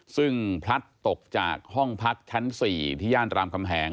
ซึ่งพลัดตกจากห้องพักชั้น๔ที่ย่านรามคำแหง